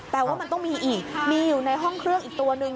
แต่ว่ามันต้องมีอีกมีอยู่ในห้องเครื่องอีกตัวหนึ่ง